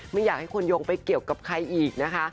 ไม่อยากให้คนโยงไปเกี่ยวกับใครอีกนะคะ